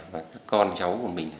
và các con cháu của mình